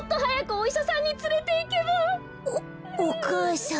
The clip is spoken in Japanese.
おお母さん。